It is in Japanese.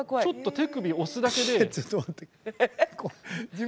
ちょっと手首を押すだけで。